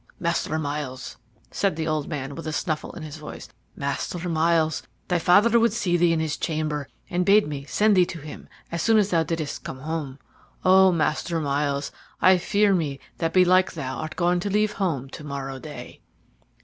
"Master Myles," said the old man, with a snuffle in his voice "Master Myles, thy father would see thee in his chamber, and bade me send thee to him as soon as thou didst come home. Oh, Master Myles, I fear me that belike thou art going to leave home to morrow day."